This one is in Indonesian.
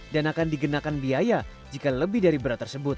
dan akan digenakan biaya jika lebih dari berat tersebut